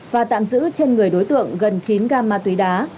và tạm giữ trên người đối tượng gần chín gam ma túy đá